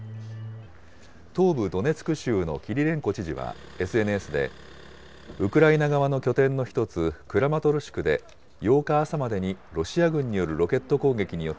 東部ドネツク州のキリレンコ知事はＳＮＳで、ウクライナ側の拠点の一つ、クラマトルシクで８日朝までにロシア軍によるロケット攻撃によっ